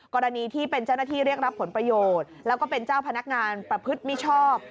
กรณีที่เป็นเจ้าหน้าที่เรียกรับผลประโยชน์แล้วก็เป็นเจ้าพนักงานประพฤติมิชอบ